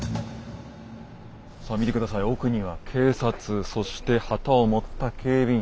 さあ見て下さい奥には警察そして旗を持った警備員。